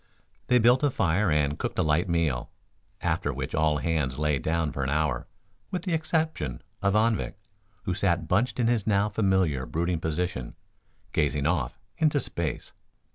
They built a fire and cooked a light meal, after which all hands lay down for an hour, with the exception of Anvik, who sat bunched in his now familiar brooding position, gazing off into space.